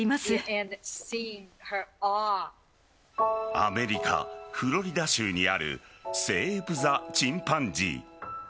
アメリカ・フロリダ州にあるセーブ・ザ・チンパンジー。